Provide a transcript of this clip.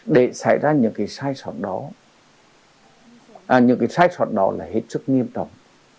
để xảy ra những cái sai soạn đó những cái sai soạn đó là hết sức nghiêm tộc